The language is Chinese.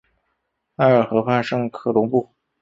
埃尔河畔圣科隆布。